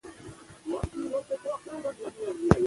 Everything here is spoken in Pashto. شاه شجاع د مهاراجا له اجازې پرته څوک نه پریږدي.